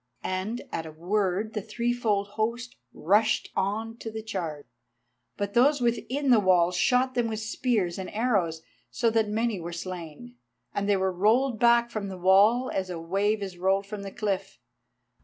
And at a word the threefold host rushed on to the charge. But those within the walls shot them with spears and arrows, so that many were slain, and they were rolled back from the wall as a wave is rolled from the cliff.